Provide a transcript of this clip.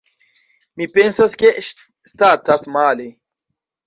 Mi pensas, ke statas male.